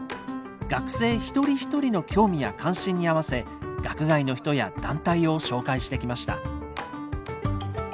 学生一人一人の興味や関心に合わせ学外の人や団体を紹介してきました。